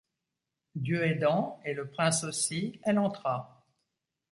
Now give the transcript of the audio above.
Dieu aidant, et le prince aussi, elle entra.